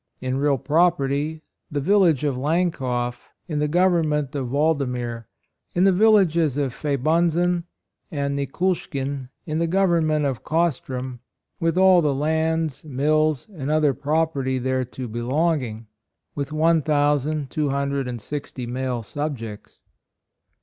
In real property, the village of Lankoff, in the Gov ernment of Waladmir, and the vil lages Fabanzin and Kikulskin, in the Government of Kostrom, with all the lands, mills and other pro perty thereto belonging, with one thousand two hundred and sixty male subjects.